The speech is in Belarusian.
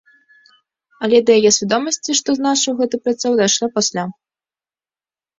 Але да яе свядомасці, што значыў гэты прыцэл, дайшло пасля.